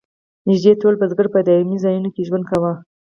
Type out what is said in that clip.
نږدې ټول بزګر په دایمي ځایونو کې ژوند کاوه.